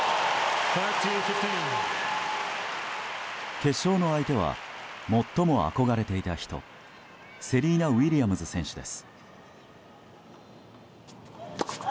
決勝の相手は、最も憧れていた人セリーナ・ウィリアムズ選手です。